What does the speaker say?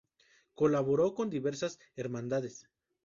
Colaboró con diversas Hermandades.